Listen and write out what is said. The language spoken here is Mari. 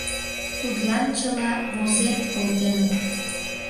— Тудлан чыла возен колтеныт.